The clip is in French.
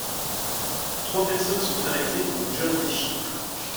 Trois personnes sont arrêtées, dont John Rechy.